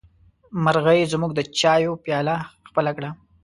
مرغۍ زموږ د چايه پياله خپله کړه.